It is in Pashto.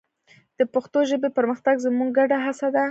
د پښتو ژبې پرمختګ زموږ ګډه هڅه ده.